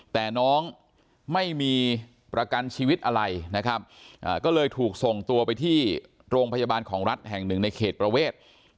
แต่น้องไม่มีประกันชีวิตอะไรนะครับก็เลยถูกส่งตัวไปที่โรงพยาบาลของรัฐแห่งหนึ่งในเขตประเวท